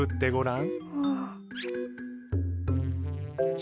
ん！